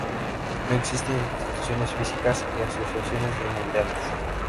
No existen instituciones físicas y asociaciones de inmigrantes.